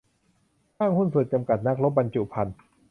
ห้างหุ้นส่วนจำกัด นักรบบรรจุภัณฑ์